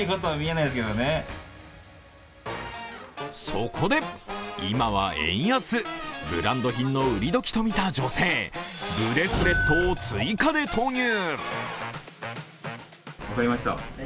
そこで、今は円安、ブランド品の売り時とみた女性、ブレスレットを追加で投入。